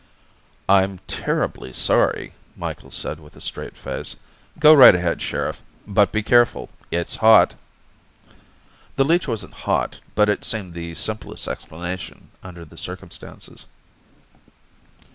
"I'm terribly sorry," Micheals said with a straight face. "Go right ahead, Sheriff. But be careful. It's hot." The leech wasn't hot, but it seemed the simplest explanation under the circumstances.